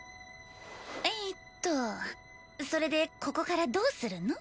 えっとそれでここからどうするの？